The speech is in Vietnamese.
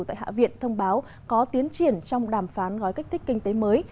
tại hạ viện thông báo có tiến triển trong một đàm phán gói cách thích kinh tế mới